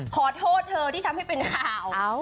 ขอโทษเธอที่ทำให้เป็นข่าว